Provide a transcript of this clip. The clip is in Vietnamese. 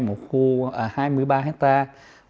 một khu hai mươi ba hectare